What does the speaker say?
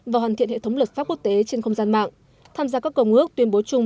và hoàn thiện hệ thống luật pháp quốc tế trên không gian mạng tham gia các cầu ngước tuyên bố chung